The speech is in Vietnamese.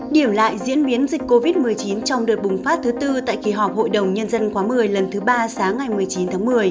điểm lại diễn biến dịch covid một mươi chín trong đợt bùng phát thứ tư tại kỳ họp hội đồng nhân dân khóa một mươi lần thứ ba sáng ngày một mươi chín tháng một mươi